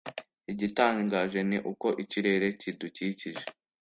igitangaje ni uko ikirere kidukikije